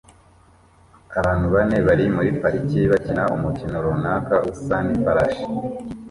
Abantu bane bari muri parike bakina umukino runaka usa nifarashi